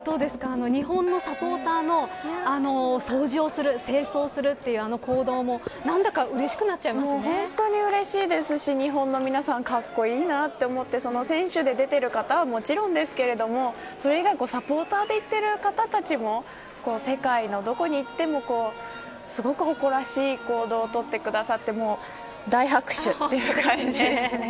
どうですか、日本のサポーターの掃除をする清掃するという、あの行動も何だか本当にうれしいですし日本の皆さん格好いいなと思って選手で出ている方はもちろんですけどサポーターで行っている方たちも世界のどこに行ってもすごく誇らしい行動を取ってくださって大拍手という感じです。